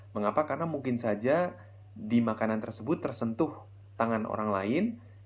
mengapa karena mungkin saja di makanan tersebut tersentuh tangan orang lain